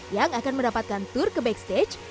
yang akan mendapatkan tour ke backstage